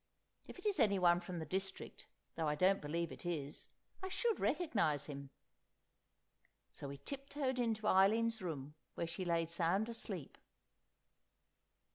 If it is anyone from the district—though I don't believe it is—I should recognise him." So we tip toed into Eileen's room, where she lay sound asleep.